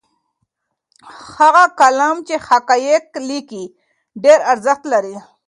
هغه قلم چې حقایق لیکي ډېر ارزښت لري.